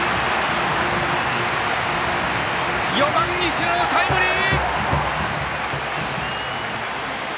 ４番、石野のタイムリー！